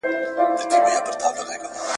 شمع یم یوه شپه په تیاره کي ځلېدلی یم `